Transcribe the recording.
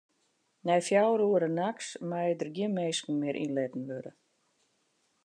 Nei fjouwer oere nachts meie der gjin minsken mear yn litten wurde.